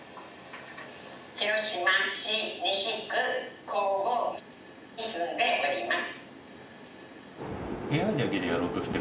「広島市西区庚午に住んでおります」。